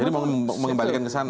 jadi mau mengembalikan ke sana